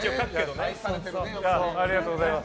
ありがとうございます。